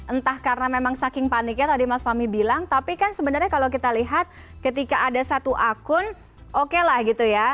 entah karena memang saking paniknya tadi mas fahmi bilang tapi kan sebenarnya kalau kita lihat ketika ada satu akun oke lah gitu ya